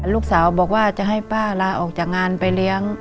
ลูกสาวบอกว่าจะให้ป้าลาออกจากงานไปเลี้ยง